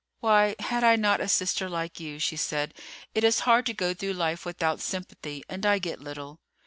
"Why had I not a sister like you?" she said. "It is hard to go through life without sympathy, and I get little."